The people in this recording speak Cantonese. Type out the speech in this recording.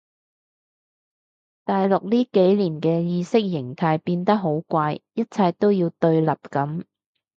大陸呢幾年嘅意識形態變得好怪一切都要對立噉